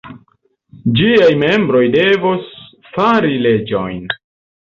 Ĝiaj membroj devos fari leĝojn.